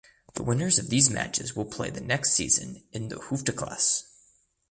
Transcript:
The winners of these matches will play the next season in the Hoofdklasse.